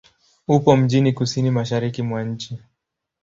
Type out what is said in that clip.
Upo mjini kusini-mashariki mwa nchi.